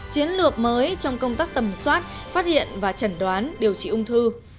chiến lược mới trong công tác tầm soát phát hiện và chẩn đoán điều trị ung thư